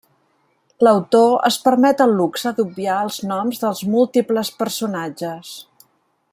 L'autor es permet el luxe d'obviar els noms dels múltiples personatges.